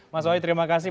mas woy terima kasih